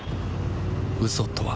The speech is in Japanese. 嘘とは